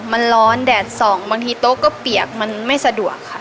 มันร้อนแดดส่องบางทีโต๊ะก็เปียกมันไม่สะดวกค่ะ